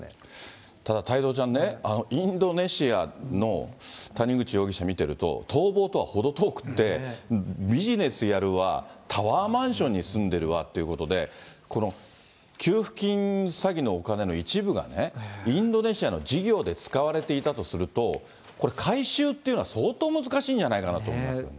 ただ太蔵ちゃんね、インドネシアの谷口容疑者見てると、逃亡とは程遠くって、ビジネスやるわ、タワーマンションに住んでるわってことで、この給付金詐欺のお金の一部がね、インドネシアの事業で使われていたとすると、これ、回収っていうのは、相当難しいんじゃないかなと思いますけど。